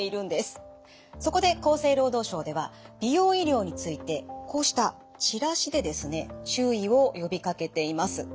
そこで厚生労働省では美容医療についてこうしたチラシでですね注意を呼びかけています。